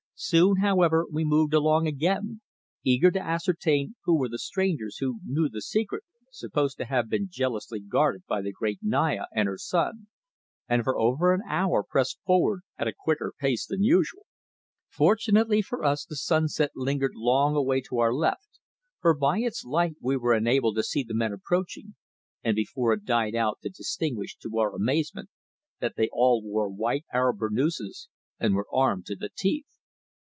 Soon, however, we moved along again, eager to ascertain who were the strangers who knew the secret supposed to have been jealously guarded by the great Naya and her son, and for over an hour pressed forward at a quicker pace than usual. Fortunately for us the sunset lingered long away to our left, for by its light we were enabled to see the men approaching, and before it died out to distinguish, to our amazement, that they all wore white Arab burnouses and were armed to the teeth.